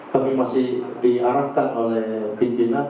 kami masih diarahkan oleh pimpinan